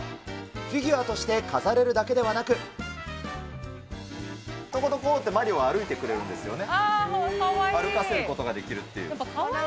フィギュアとして飾れるだけではなく、とことこってマリオが歩いてくれるんですよね。